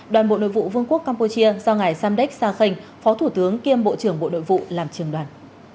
đoàn bộ nội vụ vương quốc campuchia do ngài samdech sa khênh phó thủ tướng kiêm bộ trưởng bộ nội vụ làm trường đoàn